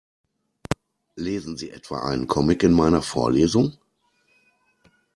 Lesen Sie etwa einen Comic in meiner Vorlesung?